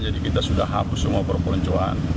jadi kita sudah hapus semua perpeloncoan